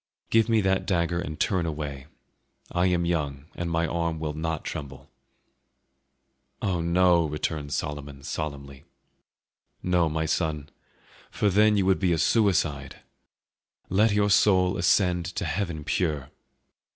Give me that dagger and turn away; I am young and my arm will not tremble." "Oh no!" returned Solomon solemnly, "no, my son, for then you would be a suicide! Let your soul ascend to heaven pure!